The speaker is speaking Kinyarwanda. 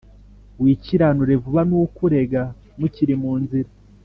“Wikiranure vuba n’ukurega mukiri mu nzira